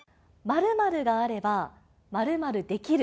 ○○があれば○○できる。